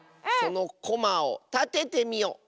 そのコマをたててみよ！